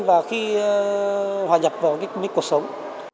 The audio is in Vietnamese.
và khi hòa nhập vào cái mức cuộc sống